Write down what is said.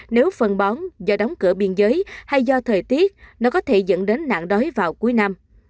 nếu phân bón do đóng cửa biên giới hay do thời tiết nó có thể dẫn đến nạn đói vào cuối năm